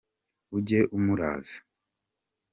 ujye umuraza.